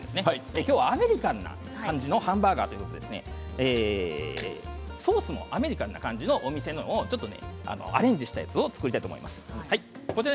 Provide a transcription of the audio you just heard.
今日はアメリカンな感じのハンバーガーということでソースもアメリカンな感じのお店のものをちょっとアレンジしたものを作りたいと思います。